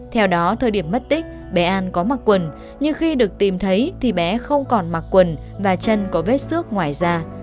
theo đó thời điểm mất tích bé an có mặc quần nhưng khi được tìm thấy thì bé không còn mặc quần và chân có vết xước ngoài da